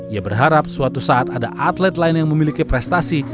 ia berharap suatu saat ada atlet lain yang memiliki prestasi